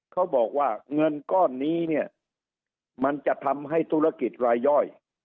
เขาบอกว่าเงินก้อนนี้เนี่ยมันจะทำให้ธุรกิจรายย่อย